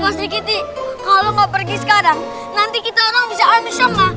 pasik ginti kalau nggak pergi sekarang nanti kita orang bisa alami soma